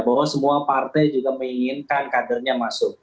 bahwa semua partai juga menginginkan kadernya masuk